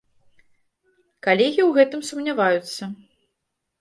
Калегі ў гэтым сумняваюцца.